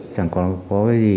chẳng còn có cái gì